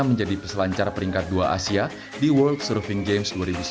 menjadi peselancar peringkat dua asia di world surfing games dua ribu sembilan belas